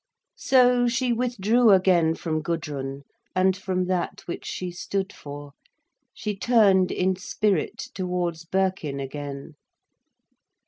So she withdrew away from Gudrun and from that which she stood for, she turned in spirit towards Birkin again.